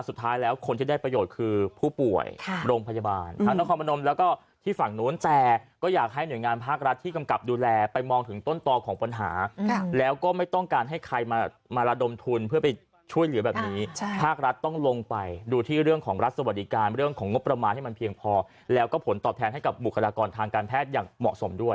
สุดท้ายแล้วคนที่ได้ประโยชน์คือผู้ป่วยค่ะโรงพยาบาลอืมทางน้องคอมนมแล้วก็ที่ฝั่งโน้นแต่ก็อยากให้เหนื่อยงานภาครัฐที่กำกับดูแลไปมองถึงต้นตอของปัญหาครับแล้วก็ไม่ต้องการให้ใครมามาระดมทุนเพื่อไปช่วยเหลือแบบนี้ใช่ภาครัฐต้องลงไปดูที่เรื่องของรัฐสวรรค์ดิการเรื่องของงบประมาณให้มั